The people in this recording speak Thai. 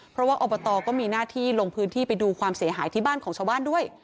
เพราะว่าอบตก็มีหน้าที่ลงพื้นที่ไปดูความเสียหายที่บ้านของชาวบ้านด้วย